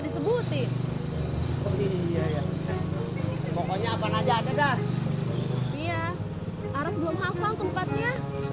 disebutin seperti pokoknya pan aja ada dah iya aras belum hafal tempatnya